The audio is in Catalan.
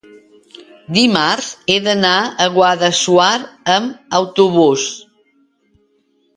Dimarts he d'anar a Guadassuar amb autobús.